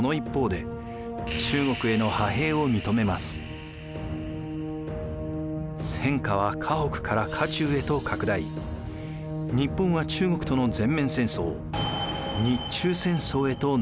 日本は中国との全面戦争日中戦争へとなだれこみます。